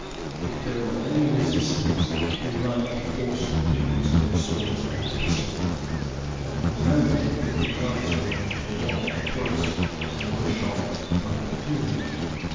If there were any resistance they might be forced to use their swords and pistols, and nobody could be answerable for what a thrust or a shot might do.